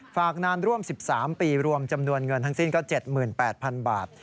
ฝากนานร่วม๑๓ปีรวมจำนวนเงินทั้งสิ้นก็๗๘๐๐๐บาท